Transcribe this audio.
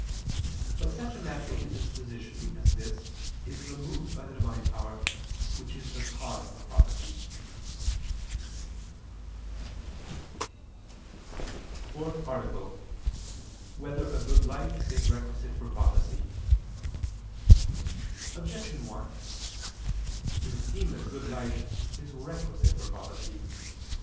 But such a natural indisposition as this is removed by the Divine power, which is the cause of prophecy. _______________________ FOURTH ARTICLE [II II, Q. 172, Art. 4] Whether a Good Life Is Requisite for Prophecy? Objection 1: It would seem that a good life is requisite for prophecy.